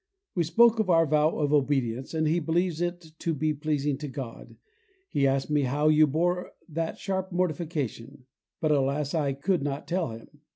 We spoke of our vow of obedience, and he believes it to be pleasing to God. He asked me how you bore that sharp mortification; but alas! I could not tell him.